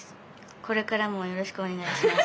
これからもよろしくおねがいします。